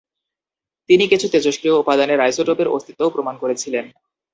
তিনি কিছু তেজস্ক্রিয় উপাদানের আইসোটোপের অস্তিত্বও প্রমাণ করেছিলেন।